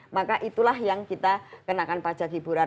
maka itulah yang kita kenakan pajak hiburan